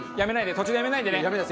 途中でやめないでね。